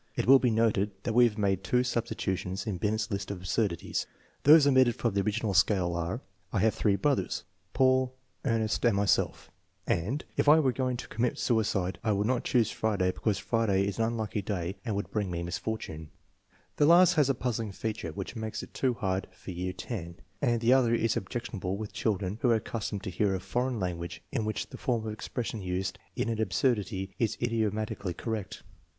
It will be noted that we have made two substitutions in Binet's list of absurdities. Those omitted from the original scale are: " I have three brothers Paul, Ernest, and myself" and, " If I were going to commit suicide I would not choose Friday, because Friday is an unlucky day and would bring me misfortune" The last has a puzzling feature which makes it much too hard for year X, and the other is objectionable with children who are accustomed to hear a foreign language in which the form of expression used in the absurdity is idiomatically correct.